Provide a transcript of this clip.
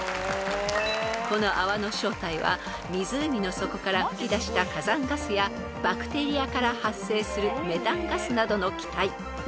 ［この泡の正体は湖の底から噴き出した火山ガスやバクテリアから発生するメタンガスなどの気体］